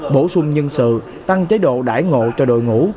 bổ sung nhân sự tăng chế độ đải ngộ cho đội ngũ